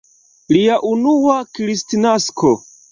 Lia unua Kristnasko!